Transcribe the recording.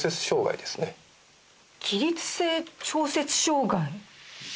起立性調節障害？